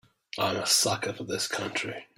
I'm a sucker for this country.